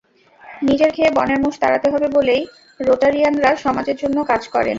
নিজের খেয়ে বনের মোষ তাড়াতে হবে বলেই রোটারিয়ানরা সমাজের জন্য কাজ করেন।